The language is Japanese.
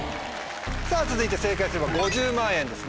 さぁ続いて正解すれば５０万円です。